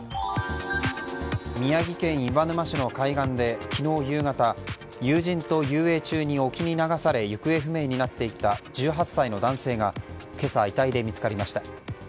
宮城県岩沼市の海岸で昨日夕方、友人と遊泳中に沖に流され行方不明になっていた１８歳の男性が今朝、遺体で見つかりました。